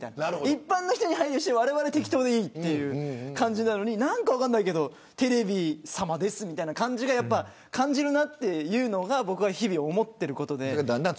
一般の人に配慮して、われわれ適当でいいという感じなのに何か分かんないけどテレビさまですみたいな感じが感じるのが僕は日々思っていることで。